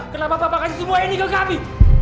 kenapa bapak kasih semua ini ke kami